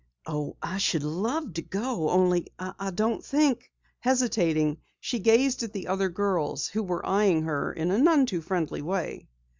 "Oh, I should love to go, only I don't think " Hesitating, she gazed at the other girls who were eyeing her in a none too friendly way.